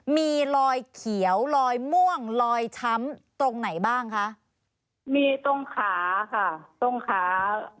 มีรอยเขียวลอยม่วงลอยช้ำตรงไหนบ้างคะมีตรงขาค่ะตรงขา